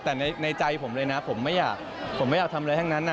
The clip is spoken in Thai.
แต่ในใจผมเลยนะผมไม่อยากทำอะไรแห่งนั้นนะ